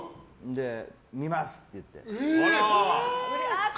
見ますって言って。